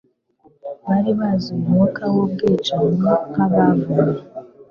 Bari buzuye umwuka w'ubwicanyi nk'abavumwe.